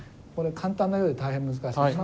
これ簡単なようで大変難しい。